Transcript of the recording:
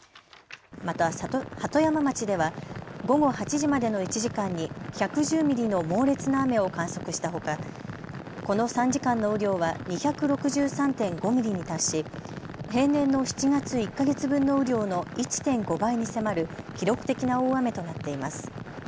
また鳩山町では午後８時までの１時間に１１０ミリの猛烈な雨を観測したほかこの３時間の雨量は２６３．５ミリに達し平年の７月１か月分の雨量の１．５倍に迫る記録的な大雨となっています。